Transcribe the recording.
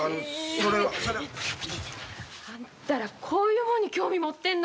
それは。あんたらこういうもんに興味持ってんの？